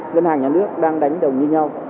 ngân hàng nhà nước đang đánh đồng như nhau